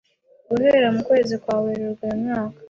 Guhera mukwezi kwa Werurwe uyu mwaka